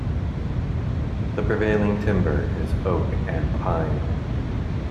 The prevailing timber is oak and pine.